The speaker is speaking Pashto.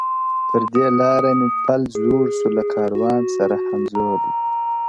• پر دې لاره مي پل زوړ سو له کاروان سره همزولی ,